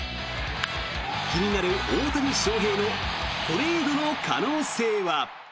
気になる大谷翔平のトレードの可能性は？